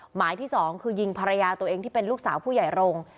หมายที่สองคือยิงภรรยาตัวเองที่เป็นลูกสาวผู้ใหญ่โรง